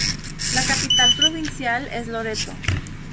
La capital provincial es Loreto.